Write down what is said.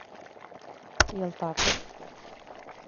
Је л тако.